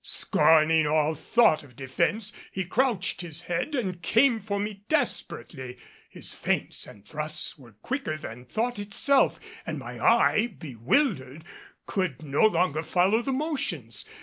Scorning all thought of defense, he crouched his head and came for me desperately his feints and thrusts were quicker than thought itself, and my eye, bewildered, could no longer follow the motions.